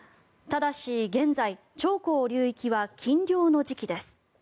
ただし、現在長江流域は禁漁の時期です。